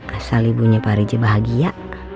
asal ibunya pak riji bahagia